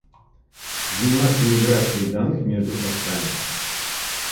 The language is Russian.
Заниматься миграцией данных между хостами